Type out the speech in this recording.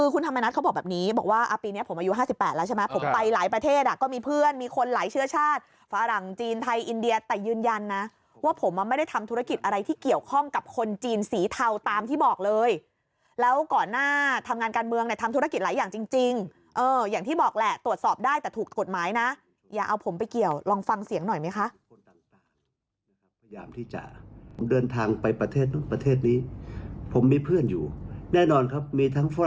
คุณธรรมนัสเขาบอกแบบนี้บอกว่าอ่ะปีเนี้ยผมอายุห้าสิบแปดแล้วใช่ไหมผมไปหลายประเทศอ่ะก็มีเพื่อนมีคนหลายเชื่อชาติฝรั่งจีนไทยอินเดียแต่ยืนยันนะว่าผมอ่ะไม่ได้ทำธุรกิจอะไรที่เกี่ยวข้องกับคนจีนสีเทาตามที่บอกเลยแล้วก่อนหน้าทำงานการเมืองเนี้ยทำธุรกิจหลายอย่างจริงจริงเอออย่างท